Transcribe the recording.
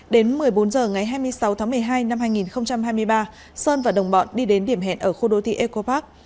đến một mươi bốn h ngày hai mươi sáu tháng một mươi hai năm hai nghìn hai mươi ba sơn và đồng bọn đi đến điểm hẹn ở khu đô thị eco park